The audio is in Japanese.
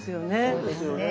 そうですよね。